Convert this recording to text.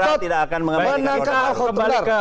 perintah tidak akan mengembalikan orde baru